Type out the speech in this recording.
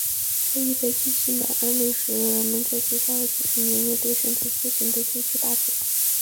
这一悲剧性的案例使得人们在接下来的几十年里对身体塑形的兴趣大减。